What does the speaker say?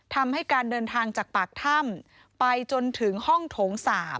ทำให้การเดินทางจากปากถ้ำไปจนถึงห้องโถง๓